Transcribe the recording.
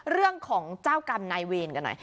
เรื่องของเจ้ากรรมนายเวรกันหน่อย